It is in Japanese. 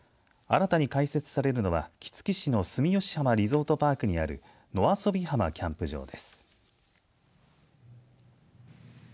新たに開設されるのは杵築市の住吉浜リゾートパークにある野遊び浜キャンプ場です。